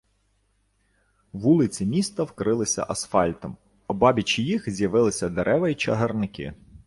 Вулиці міста вкрилися асфальтом, обабіч їх з'явилися дерева й чагарники.